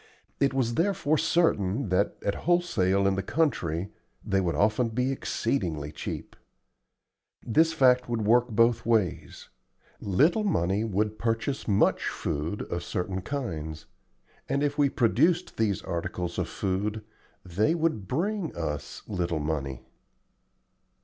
It was therefore certain that, at wholesale in the country, they would often be exceedingly cheap. This fact would work both ways: little money would purchase much food of certain kinds, and if we produced these articles of food they would bring us little money.